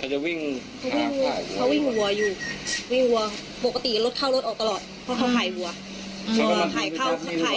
ก็เลยไปเห็นว่าเพื่อนใครมีความผิดปั่ะค่ะ